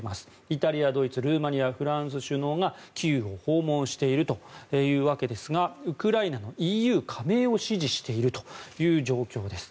イタリア、ドイツ、ルーマニアフランスの首脳がキーウを訪問しているというわけですがウクライナのＥＵ加盟を支持しているという状況です。